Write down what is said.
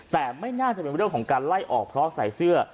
แต่ไม่น่าจะเป็นเรื่องของการไล่ออกเพราะใส่เสื้อ